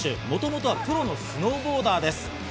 もともとはプロのスノーボーダーです。